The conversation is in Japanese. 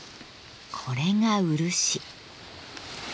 これが漆。